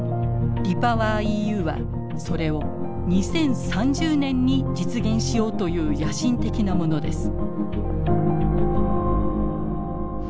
はそれを２０３０年に実現しようという野心的なものです。